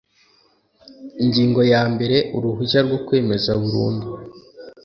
ingingo ya mbere uruhushya rwo kwemeza burundu